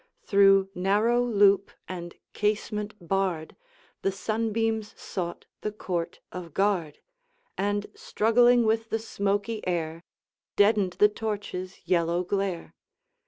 Through narrow loop and casement barred, The sunbeams sought the Court of Guard, And, struggling with the smoky air, Deadened the torches' yellow glare.